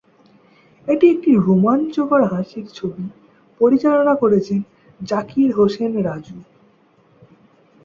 এটি একটি রোমাঞ্চকর হাসির ছবি, পরিচালনা করেছেন "জাকির হোসেন রাজু"।